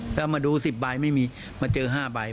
ถ้ามาดู๑๐ใบไม่มีมาเจอ๕ใบ